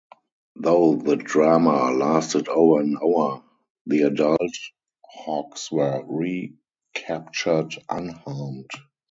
Though the drama lasted over an hour, the adult hogs were recaptured unharmed.